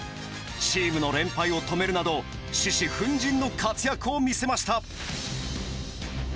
チームの連敗を止めるなど獅子奮迅の活躍を見せました。